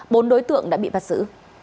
bốn đối tượng đã bị bắt giữ